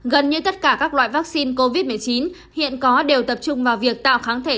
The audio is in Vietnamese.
gần như tất cả các loại vaccine covid một mươi chín hiện có đều tập trung vào việc tạo kháng thể